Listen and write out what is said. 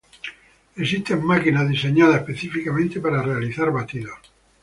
Existen máquinas diseñadas específicamente para realizar batidos.